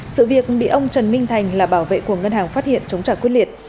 sự việc bị ông trần minh thành là bảo vệ của ngân hàng phát hiện chống trả quyết liệt